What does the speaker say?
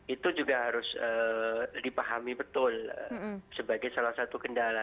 itu juga harus dipahami betul sebagai salah satu kendala